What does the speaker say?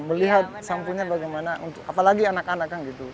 melihat sampulnya bagaimana apalagi anak anak kan gitu